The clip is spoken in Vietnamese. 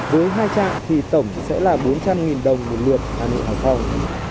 với hai trạm thì tổng sẽ là bốn trăm linh đồng một lượt hà nội hải phòng